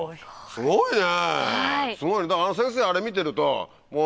すごいね。